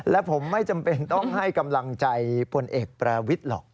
และผมไม่จำเป็นต้องให้กำลังใจพลเอกประวิทย์หรอก